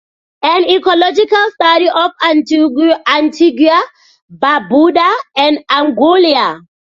An ecological study of Antigua, Barbuda, and Anguilla.